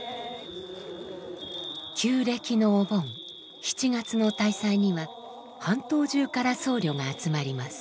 旧暦のお盆７月の大祭には半島中から僧侶が集まります。